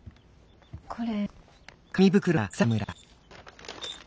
これ。